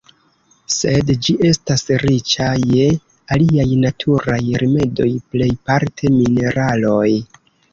Sed ĝi estas riĉa je aliaj naturaj rimedoj, plejparte mineraloj.